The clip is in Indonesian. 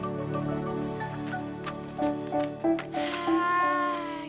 aduh panas banget sih